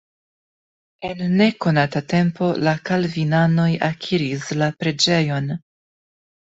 En nekonata tempo la kalvinanoj akiris la preĝejon.